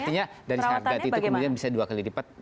artinya dari harga itu kemudian bisa dua kali lipat